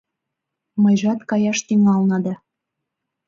Мыйжат каяш тӱҥална да